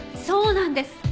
そうなんです！